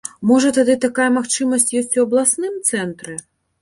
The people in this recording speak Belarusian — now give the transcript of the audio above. Можа тады такая магчымасць ёсць у абласным цэнтры?